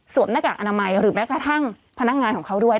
หน้ากากอนามัยหรือแม้กระทั่งพนักงานของเขาด้วย